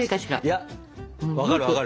いや分かる分かる。